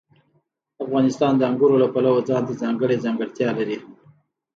افغانستان د انګورو له پلوه ځانته ځانګړې ځانګړتیا لري.